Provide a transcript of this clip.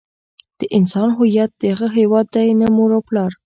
د انسان هویت د هغه هيواد دی نه مور او پلار.